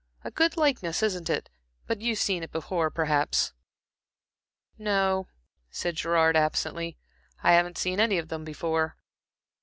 A good likeness, isn't it? But you've seen it before, perhaps?" "No," said Gerard, absently. "I haven't seen any of them before."